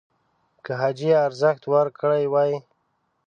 که حاجي ارزښت ورکړی وای